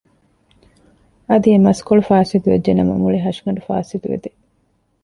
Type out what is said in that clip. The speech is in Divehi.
އަދި އެ މަސްކޮޅު ފާސިދު ވެއްޖެ ނަމަ މުޅި ހަށިގަނޑު ފާސިދު ވެދޭ